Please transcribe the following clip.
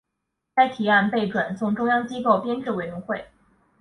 该提案被转送中央机构编制委员会。